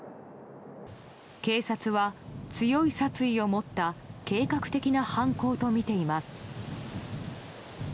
警察は強い殺意を持った計画的な犯行とみています。